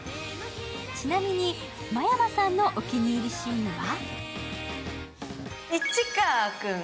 ちなみに真山さんのお気に入りシーンは？